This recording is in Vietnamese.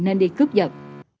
nên đi cướp giật